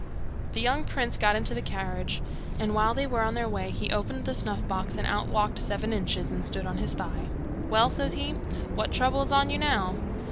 The young prince got into the carriage, and while they were on the way he opened the snuff box, and out walked Seven Inches, and stood on his thigh. 'Well,' says he, 'what trouble is on you now?